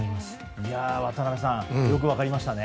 渡辺さんよく分かりましたね。